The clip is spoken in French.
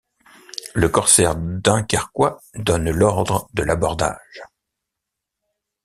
Le corsaire dunkerquois donne l'ordre de l'abordage.